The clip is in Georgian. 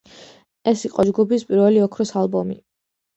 ეს იყო ჯგუფის პირველი ოქროს ალბომი.